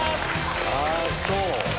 あそう？